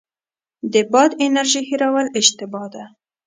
د باد انرژۍ هیرول اشتباه ده.